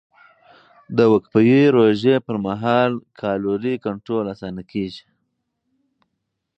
د وقفهيي روژې پر مهال کالوري کنټرول اسانه کېږي.